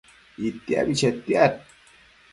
Itiabi chetiad